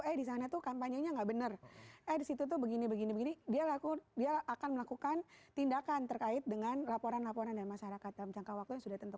eh disana tuh kampanye nya enggak bener eh disitu tuh begini begini dia laku dia akan melakukan tindakan terkait dengan laporan laporan dari masyarakat dalam jangkaan kecil